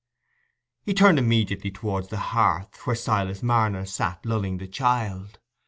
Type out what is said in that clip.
He turned immediately towards the hearth, where Silas Marner sat lulling the child.